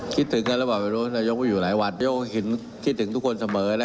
คิดถึงกันแล้วบอกว่านายกไม่อยู่หลายวันนายกคิดถึงทุกคนเสมอนะ